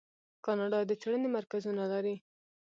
کاناډا د څیړنې مرکزونه لري.